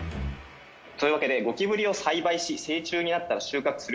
というわけでゴキブリを栽培し成虫になったら収穫する。